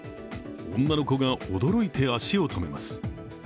女の子が驚いて足を止めます。